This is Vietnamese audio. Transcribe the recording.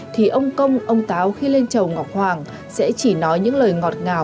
thì ông công ông táo khi lên chầu ngọc hoàng sẽ chỉ nói những lời ngọt ngào